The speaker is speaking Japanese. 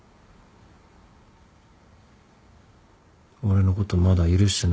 俺のことまだ許してないだろうし。